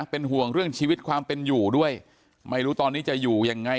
เป็นห่วงเรื่องชีวิตความเป็นอยู่ด้วยไม่รู้ตอนนี้จะอยู่ยังไง